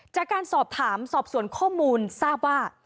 จากการสอบถามสอบสวนข้อมูลทราบว่า